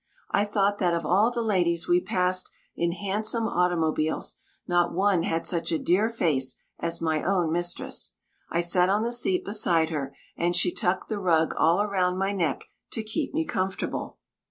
I thought that of all the ladies we passed in handsome automobiles, not one had such a dear face as my own mistress. I sat on the seat beside her, and she tucked the rug all round my neck to keep me comfortable.